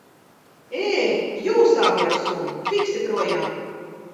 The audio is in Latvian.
Ē, jūs abi ar suni, fiksi projām!